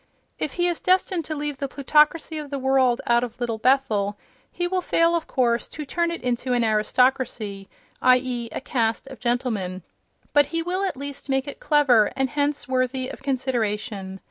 If he is destined to lead the plutocracy of the world out of Little Bethel he will fail, of course, to turn it into an aristocracy—i. e., a caste of gentlemen—, but he will at least make it clever, and hence worthy of consideration.